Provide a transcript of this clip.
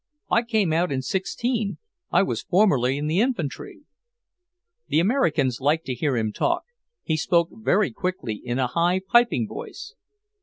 "I came out in 'sixteen. I was formerly in the infantry." The Americans liked to hear him talk; he spoke very quickly, in a high, piping voice.